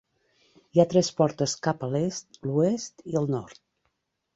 Hi ha tres portes cap a l'est, l'oest i el nord.